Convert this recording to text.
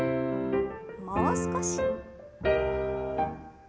もう少し。